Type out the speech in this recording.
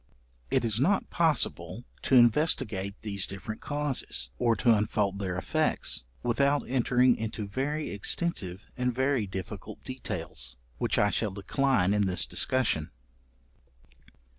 It is not possible to investigate these different causes, or to unfold their effects, without entering into very extensive and very difficult details, which I shall decline in this discussion.